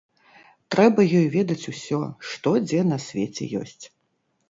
Трэба ёй ведаць усё, што дзе на свеце ёсць.